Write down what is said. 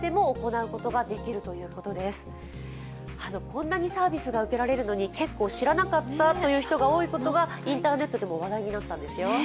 こんなにサービスが受けられるのに、結構知らなかったという人が多いことがインターネットでも話題になったんですよ。